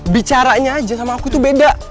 bicaranya aja sama aku tuh beda